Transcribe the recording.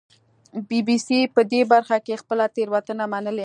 بي بي سي په دې برخه کې خپله تېروتنه منلې